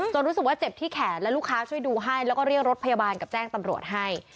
รู้สึกว่าเจ็บที่แขนและลูกค้าช่วยดูให้แล้วก็เรียกรถพยาบาลกับแจ้งตำรวจให้